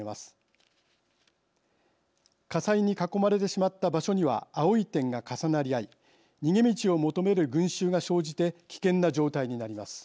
火災に囲まれてしまった場所には青い点が重なり合い逃げ道を求める群衆が生じて危険な状態になります。